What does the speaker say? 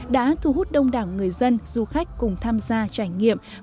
đã thu hút đông đảo người dân du khách cùng tham gia trải nghiệm